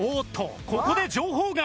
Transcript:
ここで情報が。